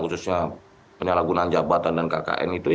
khususnya penyalahgunaan jabatan dan kkn itu